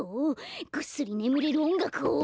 ぐっすりねむれるおんがくをオン！